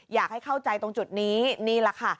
อยากให้เข้าใจตรงจุดนี้นี่แหละค่ะ